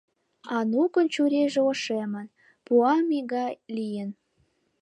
Анукын чурийже ошемын, пуаҥме гай лийын.